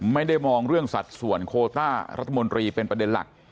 ไม่ได้มองเรื่องสัดส่วนโคต้ารัฐมนตรีเป็นประเด็นหลัก